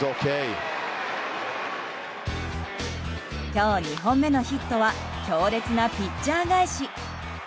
今日２本目のヒットは強烈なピッチャー返し。